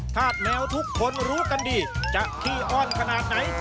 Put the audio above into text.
แมวทุกคนรู้กันดีจะขี้อ้อนขนาดไหน